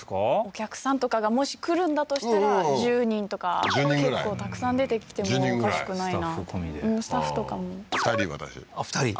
お客さんとかがもし来るんだとしたら１０人とか結構たくさん出てきてもおかしくないなスタッフ込みでスタッフとかも２人私あっ２人？